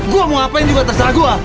gua mau ngapain juga terserah gua